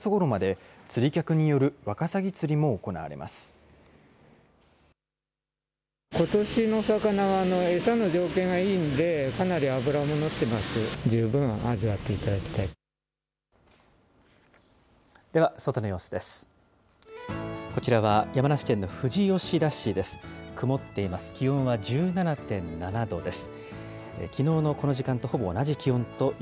では外の様子です。